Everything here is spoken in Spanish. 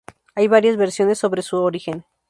Hay varias versiones sobre su origen.